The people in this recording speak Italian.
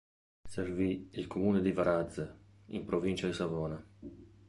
Servì il comune di Varazze in provincia di Savona.